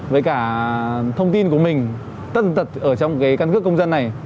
với cả thông tin của mình tân tật ở trong cái căn cước công dân này